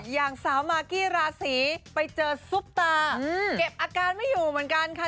อย่างสาวมากกี้ราศีไปเจอซุปตาเก็บอาการไม่อยู่เหมือนกันค่ะ